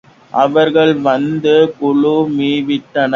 அவர்கள் வந்து குழுமிவிட்டனர்.